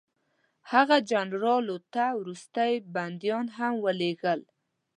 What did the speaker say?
هغه جنرال لو ته وروستي بندیان هم ولېږل.